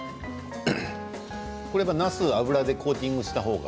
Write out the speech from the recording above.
これは、なす油でコーティングした方が？